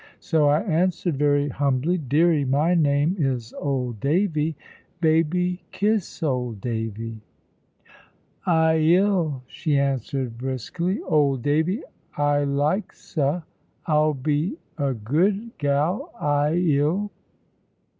So I answered, very humbly, "Deary, my name is 'old Davy.' Baby, kiss old Davy." "I 'ill," she answered, briskly. "Old Davy, I likes 'a. I'll be a good gal, I 'ill."